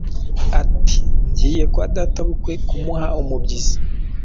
ati “Ngiye kwa databukwe kumuha umubyizi.”